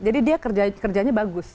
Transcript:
jadi dia kerjanya bagus